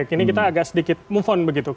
ini kita agak sedikit move on begitu